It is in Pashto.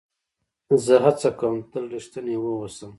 زه هڅه کوم تل رښتینی واوسم.